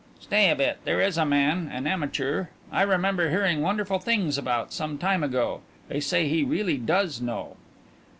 "Stay a bit; there is a man an amateur I remember hearing wonderful things about some time ago. They say he really does know."